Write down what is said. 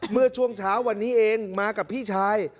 เมื่อช่วงเช้าวันนี้เองมากับพี่ชาย